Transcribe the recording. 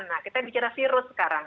nah kita bicara virus sekarang